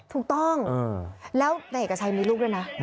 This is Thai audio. ถูกต้องแล้วนายเอกชัยมีลูกด้วยนะ